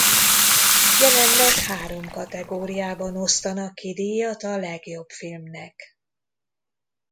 Jelenleg három kategóriában osztanak ki díjat a legjobb filmnek.